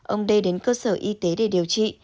ông đê đến cơ sở y tế để điều trị